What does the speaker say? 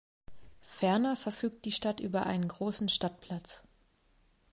Ferner verfügt die Stadt über einen großen Stadtplatz.